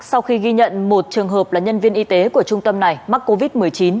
sau khi ghi nhận một trường hợp là nhân viên y tế của trung tâm này mắc covid một mươi chín